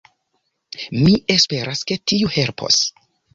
Mi esperas ke tiu helpos.